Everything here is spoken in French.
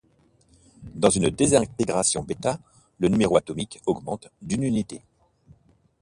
Dans une désintégration bêta, le numéro atomique augmente d'une unité.